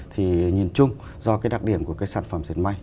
thì nhìn chung do cái đặc điểm của cái sản phẩm diệt may